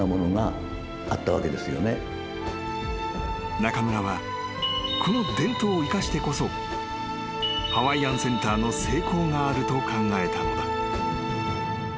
［中村はこの伝統を生かしてこそハワイアンセンターの成功があると考えたのだ］